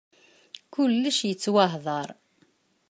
Kulec yettwahdar.